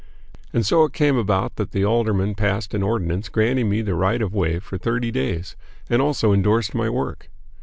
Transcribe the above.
And so it came about that the aldermen passed an ordinance granting me the right of way for thirty days, and also endorsed my work.